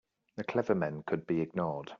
The clever men could be ignored.